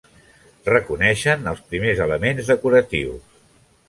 Reconeixen els primers elements decoratius: